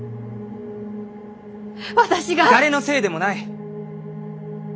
誰のせいでもない！